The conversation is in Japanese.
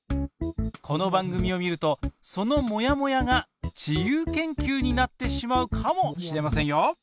この番組を見るとそのモヤモヤが自由研究になってしまうかもしれませんよ！